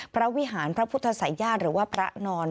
วิหารพระพุทธศัยญาติหรือว่าพระนอน